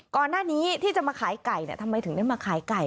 ก่อนที่จะมาขายไก่ทำไมถึงได้มาขายไก่